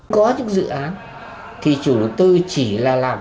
có những dự án